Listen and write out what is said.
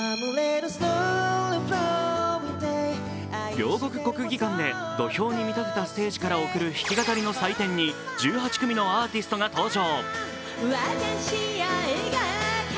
両国国技館で土俵に見立てたステージから贈る弾き語りの祭典に１８組のアーティストが登場。